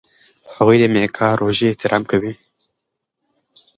هغې د میکا روژې احترام کوي.